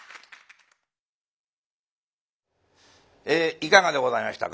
いかがでございましたか？